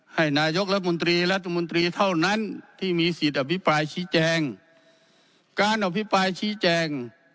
ให้นายกรัฐมนตรีรัฐมนตรีเท่านั้นที่มีสิทธิ์อภิปรายชี้แจงการอภิปรายชี้แจง